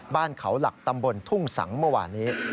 บ้านเขาหลักตำบลทุ่งสังเมื่อวานี้